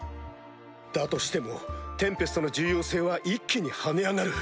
だとしてもテンペストの重要性は一気に跳ね上がる。